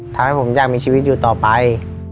ทำให้ผมอยากมีชีวิตอยู่ต่อไป